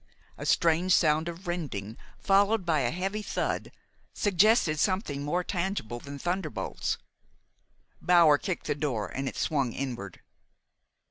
A strange sound of rending, followed by a heavy thud, suggested something more tangible than thunderbolts. Bower kicked the door and it swung inward.